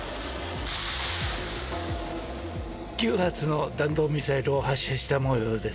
９発の弾道ミサイルを発射したもようです。